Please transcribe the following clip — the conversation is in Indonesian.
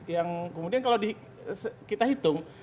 yang kemudian kalau kita hitung